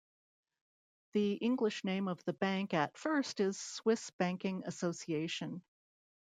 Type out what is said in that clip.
The English name of the bank at first is Swiss Banking Association.